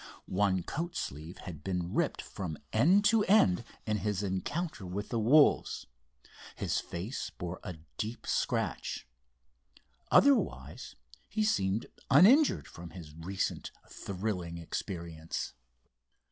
One coat sleeve had been ripped from end to end in his encounter with the wolves, his face bore a deep scratch. Otherwise he seemed uninjured from his recent thrilling experience.